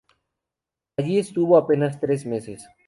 Allí estuvo apenas tres meses.